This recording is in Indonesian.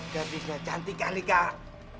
gadisnya cantik sekali kak